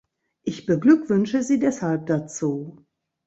Ich beglückwünsche Sie deshalb dazu.